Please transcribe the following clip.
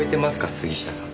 杉下さん。